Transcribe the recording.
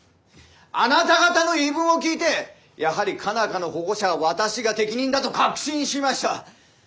あなた方の言い分を聞いてやはり佳奈花の保護者は私が適任だと確信しました。